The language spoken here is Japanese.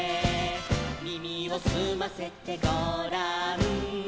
「耳をすませてごらん」